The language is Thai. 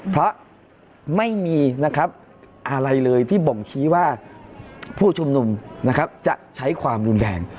เพราะไม่มีอะไรเลยที่ว่าผู้ชุมนุมจะใช้ความรุนแหลง